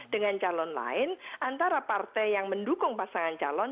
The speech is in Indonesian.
dengan calon lain antara partai yang mendukung pasangan calon